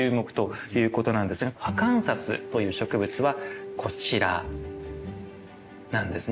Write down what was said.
アカンサスという植物はこちらなんですね。